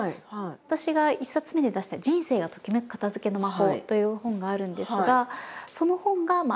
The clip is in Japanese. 私が１冊目で出した「人生がときめく片づけの魔法」という本があるんですがその家が大きい。